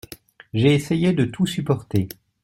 J’ai essayé de tout supporter.